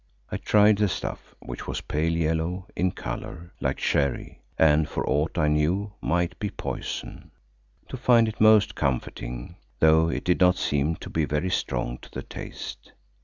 I tried the stuff, which was pale yellow in colour like sherry and, for aught I knew, might be poison, to find it most comforting, though it did not seem to be very strong to the taste.